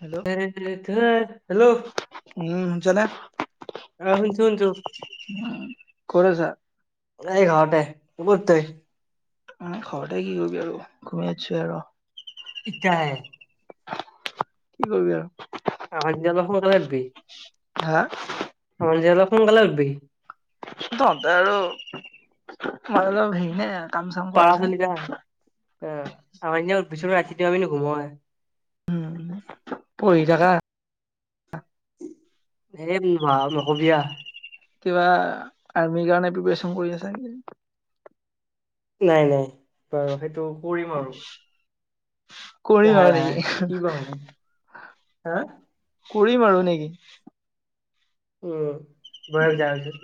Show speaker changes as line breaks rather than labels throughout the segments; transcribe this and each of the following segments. Hello
hello.
উম শুনছ না
অ শুনছো শুনছো
ক'ত আছা?
এই ঘৰতে। কত তই?
মই ঘৰতে কি কৰিবি আৰু ঘুমি আছো আৰু।
ইটাহে
কি কইবি আউ
[unintelligible]
হা।
অ আজি অলপ সোনকালে উঠবি।
তহতে আৰু মই অলপ হেৰি নে। কাম চাম কৰা
পাঁচ
ছোৱালী
আলিত আহা অ আমাৰ এ বিচনা ৰাতিটো আমি ঘুমোৱে। [inaudible]
উম পঢ়ি থাকা
ধেই পঢ়ো আউ নকবি আও।
কিবা আৰ্মিৰ কাৰণে প্ৰিপাৰেচন কৰি আছে নেকি?
নাই, নাই, বাৰু সেইটো কৰিম আৰু',
কৰিম
লাহে
আৰু
লাহে
নেকি,
কি বা
হা',
হ'ব
হা', কৰিম আৰু নেকি',
উম',
অ
বয়স যোৱাৰ পিছত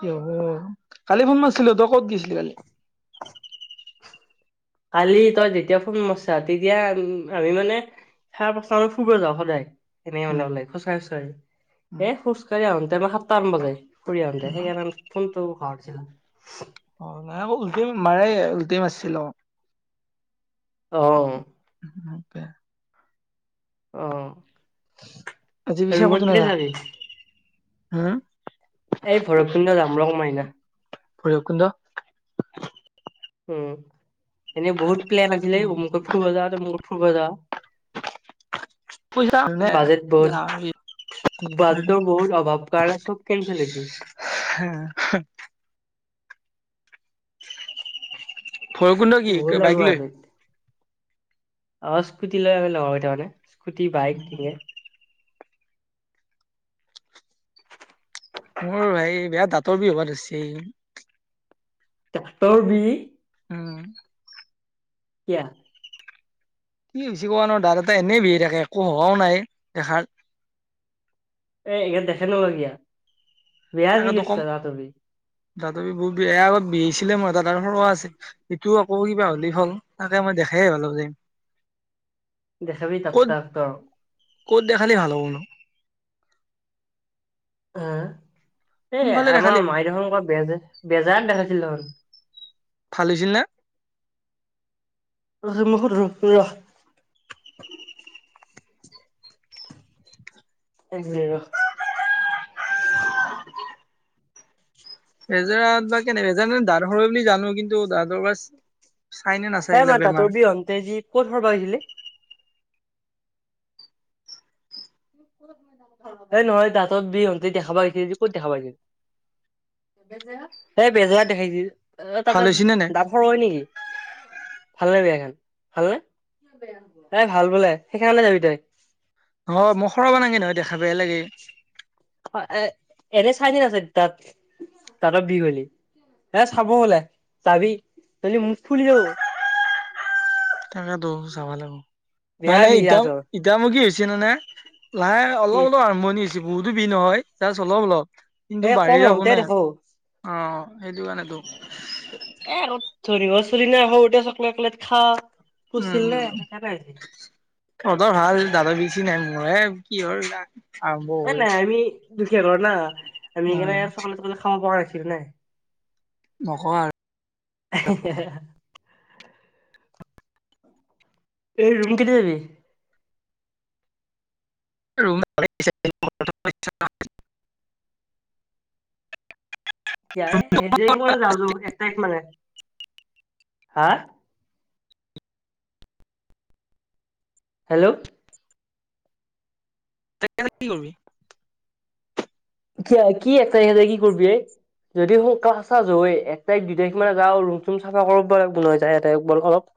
কি হ'ব কালি ফোন মাৰছিলো তই ক'ত গিছিলি কালি
কালি তই যেতিয়া ফোন মাৰছা তেতিয়া আমি মানে' তাৰ পাছত আৰু ফুৰিব যাও সদাই এনে হলে
উম
ওলালে, খোজকাঢ়ি খোজকাঢ়ি,
উম
এ', খোজকাঢ়ি আহোতে মই সাতটামান বাজে ফুৰি আহোতে
উম
সেইকাৰণে ফোনটো ঘৰত আছিলা'
অ', নাই, আকৌ উল্টিম মাৰে উলটি মাৰছিলো
অ
উম', উম', উম', বেয়া', [inaudible]
অ
আজি পিছে
ৰুমত
কতো না
কেতিয়া
যা
যাবি
হুম'
এই ভৰকপিণ্ড যাম ৰং মাইনা
ভৈৰপকুণ্ড
উম', এনে বহুত প্লেন আছিলে অমুকত ফুৰীব যাও তমুকত ফুৰিব যাওঁ
পইচা হ'লে
বাজেট বহুত
যাবি
বাজেটৰ বহুত অভাৱ কাৰণে চব কেনচেল হৈছে
হে', হা', ভৈৰৱকুণ্ড কি
গ'ল
বাইক
আৰু
লৈ
আজি', অ', স্কুটি লৈ আমি লগৰকেইটা মানে স্কুটি বাইক কিনে
মোৰ হেই বেয়া দাঁতৰ বিষ হ'বা লৈছে
দাঁতৰ বিষ?
উম'
কিয়া?
কি হৈছে বুজিব পোৱা নো দাঁত এটা এনেই বিষাই থাকে একো হোৱাও নাই দেখাত।
এই ইয়াত দেখাই ল এতিয়া।
মানে আৰু তোক কম, দাঁতৰ বিষ বহুত বেয়া এয়া আগত বিষাইছিলে মোৰ এটা দাত সৰু আছিল- ইটো আকৌ কিবা হ'লেই হল, তাকে মই দেখাই নাই ভালকৈ।
দেখাবি তাক ডাক্টৰক।
ক'ত দেখালে ভাল হ'ব নো?
অঁ এই
কোনফালে দেখালি
আমাৰ মাই দেখোন ক বেজ, বেজাৰত দেখাইছিল দেখোন।
ফালিছিলনে?
ৰচোন মুখত ৰহচোন ৰ। এক মিনিট ৰ।
হেজৰাত বা কেনে হেজৰা দাঁত হৰে বুলি জানোঁ, কিন্তু দাতঁৰ বাচ-
এ মা দাঁতৰ বিষ হওঁতে যে কত হৰাব আহিছিলে? এই নহয় দাঁতক বিষ হওঁতে দেখাব আহিছিলে যে ক'ত দেখাব আহিছিল? বেজেয়া, এই বেজেয়াত দেখাইছিল, এ
ভাল
তাতে
হৈছে নে নাই
ডাত ভৰ হয় নেকি? ভাল নে বেয়া এখন, ভাল নে? এ ভাল বোলে, সেইখনতে যাবি তই।
অঁ মুখৰ কাৰণে হিঁ নহয় দেখা বেয়া লাগে।
অ এ এনেই চাইনে নাচায় তাত? দাঁতৰ বিষ হলি, এ চাব বোলে, যাবি কিন্তু মুখ ফুলি যাব।
তাকেতো, চাব লাগব,
বেয়া
মানে
বিষ
ইটাও
দাঁতৰ
ইটাও মুখি হৈছে নে নে। লাহে অলপ
কি
অলপ আৰম্ভণি হৈছে বহুতো বীষ নহয়, জাষ্ট অলপ অলপ। কিন্তু
এ
বাঢ়ি
কম
যাব
হওঁতে
না,
দেখাও
অঁ সেইটো কাৰণেতো।
এ আৰু ধৰিব চুৰিলে সৰুতে চকলেট চকলেট খাৱ।
উম' উম'। তহঁতৰ ভাল দাতৰ বিষ চিষ নাই, মোৰহে কিহৰ দা-
ন নাই আমি দুখীয়া ঘৰ না, আমি
উম
সেইকাৰণে চকলেট টকলেট খাব পৰা নাছিলো না।
নকবা আৰু।
[unintelligible] এই ৰুম কেতিয়া যাবি?
ৰুম আজি [unintelligible] [unintelligible]
এতিয়াই, এক তাৰিখ মানে যাওঁ যাওঁ, এক তাৰিখ মানে। হাঁ? হেল্লৌ'
এক তাৰিখে যায় কি কৰিবি?
কি কি এক তাৰিখে যায় কি কৰবি এই? যদি সোন এক তাৰিখ দুই তাৰিখ মানে যাওঁ ৰুম চুম চাফা কৰিব লাগিব নয় যায় [unintelligible]